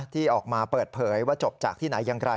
ที่ออกมาเปิดเผยว่าจบจากที่ไหนอย่างไร